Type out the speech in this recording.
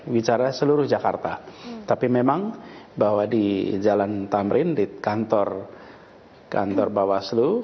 bicara seluruh jakarta tapi memang bahwa di jalan tamrin di kantor bawaslu